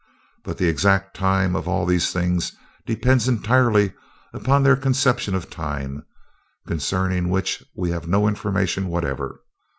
But the exact time of all these things depends entirely upon their conception of time, concerning which we have no information whatever.